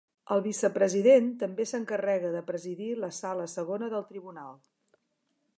El vicepresident també s'encarrega de presidir la Sala Segona del Tribunal.